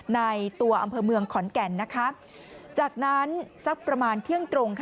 ในตัวอำเภอเมืองขอนแก่นจากนั้นสักประมาณเที่ยงตรง